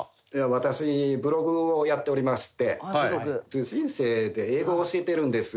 私ブログをやっておりまして通信制で英語を教えてるんです。